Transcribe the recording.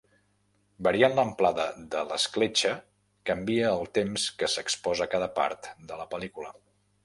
Variant l'amplada de l'escletxa canvia el temps que s'exposa cada part de la pel·lícula.